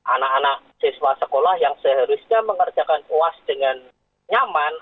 anak anak siswa sekolah yang seharusnya mengerjakan kuas dengan nyaman